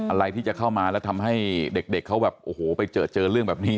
อะไรที่จะเข้ามาแล้วทำให้เด็กเขาแบบโอ้โหไปเจอเจอเรื่องแบบนี้